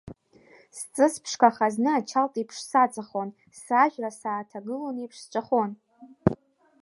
Сҵыс ԥшқаха, зны ачалт еиԥш саҵахон, сажәра сааҭагылон еиԥш сҿахон…